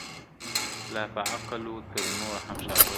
لا په عقل وو تر نورو هم ښاغلی ..